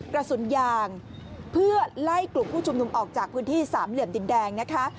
กระสุนยางเพื่อไล่กลุ่มผู้ชุมนุมออกจากพื้นที่สามเหลี่ยมดินแดงนะคะ